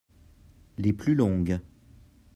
Les plus longues.